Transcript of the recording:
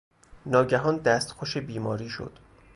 ناگهان دستخوش بیماری شد.